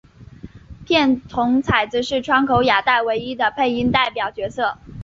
片桐彩子是川口雅代唯一的配音代表角色。